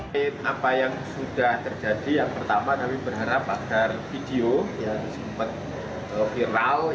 viral ya bahwa mungkin bisa dihentikan karena itu bisa membuat trauma bagi keluarga korban